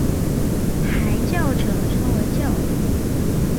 抬轿者称为轿夫。